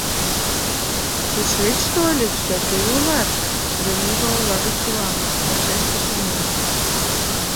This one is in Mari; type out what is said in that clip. — Кушеч тольыч да кӧ улат?» — «Женева ола гыч улам», — вашештышым мый.